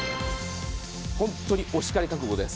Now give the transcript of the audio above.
本当にお叱り覚悟です。